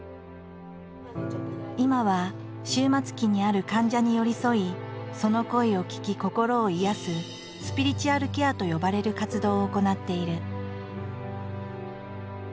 今は終末期にある患者に寄り添いその声を聞き心を癒やす「スピリチュアルケア」と呼ばれる活動を行っている。